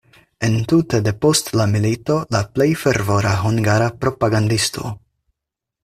Entute depost la milito la plej fervora hungara propagandisto.